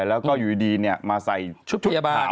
แล้วก็อยู่ดีมาใส่ชุดพยาบาล